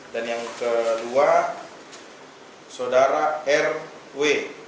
dan yang kedua sodara rw